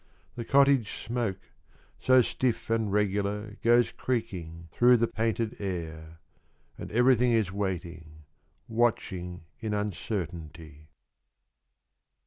The cottage smoke, so stiff and regular Goes creaking through the painted air And everything is waiting Watching in uncertainty.